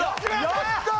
やったー！